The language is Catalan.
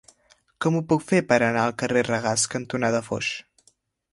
Com ho puc fer per anar al carrer Regàs cantonada Foix?